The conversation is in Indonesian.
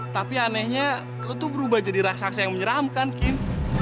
tapi anehnya aku tuh berubah jadi raksasa yang menyeramkan kim